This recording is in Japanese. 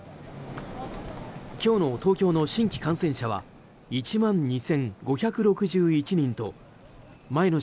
今日の東京の新規感染者は１万２５６１人と前の